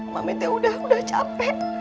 mami teh udah capek